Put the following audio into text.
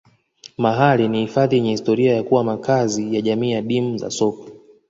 mahale ni hifadhi yenye historia ya kuwa makazi ya jamii adimu za sokwe